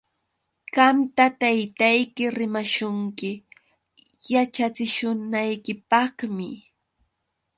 Qamta taytayki rimashunki yaćhachishunaykipaqmi.